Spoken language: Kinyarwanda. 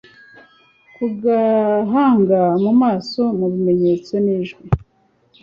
ku gahanga, mu maso, mu bimenyetso n'ijwi